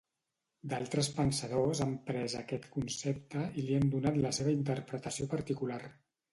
D'altres pensadors han pres aquest concepte i li han donat la seva interpretació particular.